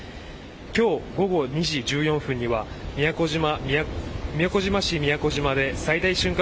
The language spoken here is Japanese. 今日午後２時１４分には宮古島市宮古島で最大瞬間